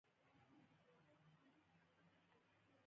ایا ستاسو نظر به پاک وي؟